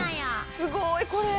すごい！これ。